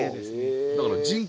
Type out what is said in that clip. だから。